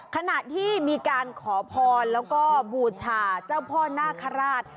ขณะที่มีการขอพรแล้วก็บูชาเจ้าพ่อนาคาราช